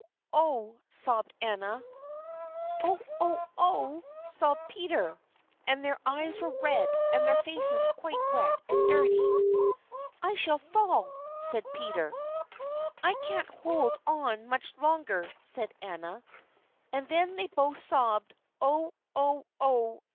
oh!" sobbed Anna. "Oh! oh! oh!" sobbed Peter. And their eyes were red and their faces quite wet and dirty. "I shall fall," said Peter. "I can't hold on much longer," said Anna. And then they both sobbed "Oh! oh! oh!"